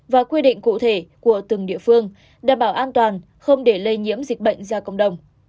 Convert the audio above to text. và quy định cụ thể của từng địa phương đảm bảo an toàn không để lây nhiễm dịch bệnh ra cộng đồng